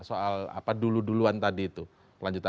soal apa duluan duluan tadi itu